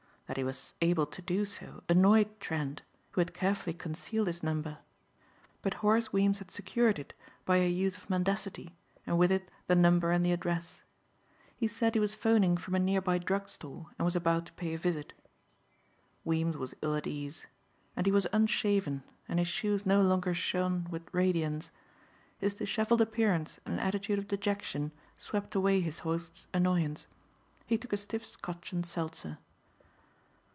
That he was able to do so annoyed Trent who had carefully concealed his number. But Horace Weems had secured it by a use of mendacity and with it the number and the address. He said he was 'phoning from a nearby drug store and was about to pay a visit. Weems was ill at ease. And he was unshaven and his shoes no longer shone with radiance. His disheveled appearance and attitude of dejection swept away his host's annoyance. He took a stiff Scotch and seltzer.